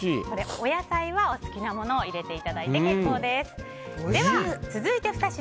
これ、お野菜はお好きなものを入れていただいて結構です。